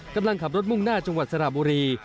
กำลังขับรถมุ่งหน้าจังหวัดสระบุรี